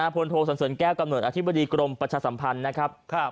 โทสันเสริญแก้วกำเนิดอธิบดีกรมประชาสัมพันธ์นะครับ